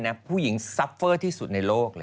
เนะผู้หญิงไฟร์ที่สุดในโลก